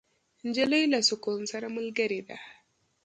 نجلۍ له سکون سره ملګرې ده.